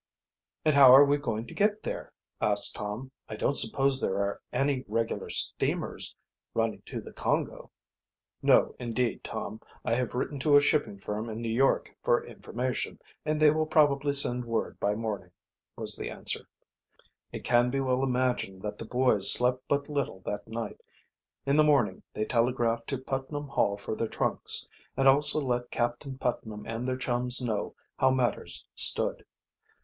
"And how are we going to get there?" asked Tom. "I don't suppose there are any regular steamers running to the Congo." "No, indeed, Tom. I have written to a shipping firm in New York for information, and they will probably send word by morning," was the answer. It can well be imagined that the boys slept but little that night. In the morning they telegraphed to Putnam Hall for their trunks, and also let Captain Putnam and their chums know how matters stood.